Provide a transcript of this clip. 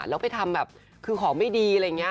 แล้วไปทำแบบคือของไม่ดีอะไรอย่างนี้